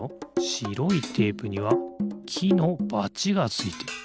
しろいテープにはきのバチがついてる。